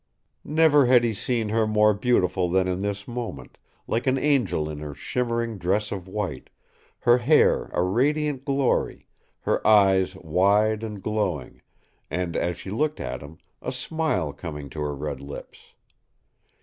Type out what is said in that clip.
Never had he seen her more beautiful than in this moment, like an angel in her shimmering dress of white, her hair a radiant glory, her eyes wide and glowing and, as she looked at him, a smile coming to her red lips.